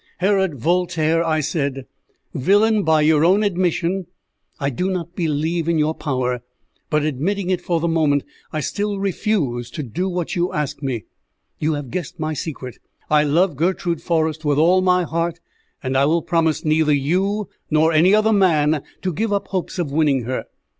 "Herod Voltaire," I said, "villain by your own admission, I do not believe in your power; but, admitting it for the moment, I still refuse to do what you ask me. You have guessed my secret. I love Gertrude Forrest with all my heart, and I will promise neither you nor any other man to give up hopes of winning her.